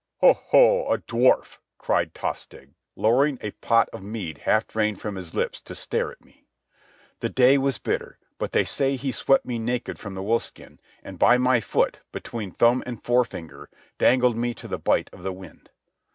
"Ho! ho!—a dwarf!" cried Tostig, lowering a pot of mead half drained from his lips to stare at me. The day was bitter, but they say he swept me naked from the wolfskin, and by my foot, between thumb and forefinger, dangled me to the bite of the wind.